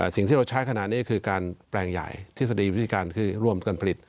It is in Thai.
สิ่งที่เราใช้ขนาดนี้คือการแปลงใหญ่ทฤษฎีวิธีการคือร่วมกันผลิต